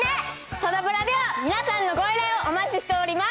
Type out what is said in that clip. サタプラでは皆さんのご依頼をお待ちしております。